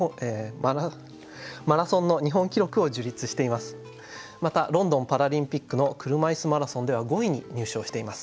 またロンドンパラリンピックの車いすマラソンでは５位に入賞しています。